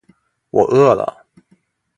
我饿了